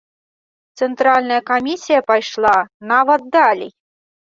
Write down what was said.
Цэнтральная камісія пайшла нават далей.